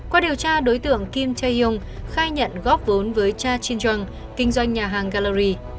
qua điều tra đối tượng kim chay yong khai nhận góp vốn với cha chin yong kinh doanh nhà hàng gallery